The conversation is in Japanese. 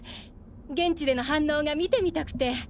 現地での反応が見てみたくて。